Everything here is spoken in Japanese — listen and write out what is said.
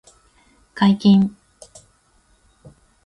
解禁